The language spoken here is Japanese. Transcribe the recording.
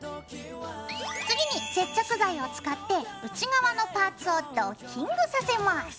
次に接着剤を使って内側のパーツをドッキングさせます。